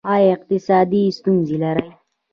ایا اقتصادي ستونزې لرئ؟